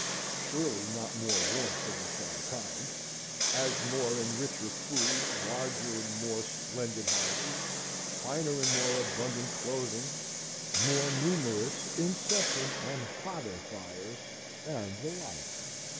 Surely not more warmth of the same kind, as more and richer food, larger and more splendid houses, finer and more abundant clothing, more numerous incessant and hotter fires, and the like.